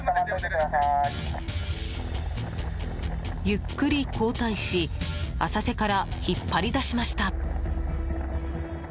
ゆっくり後退し浅瀬から引っ張り出しました。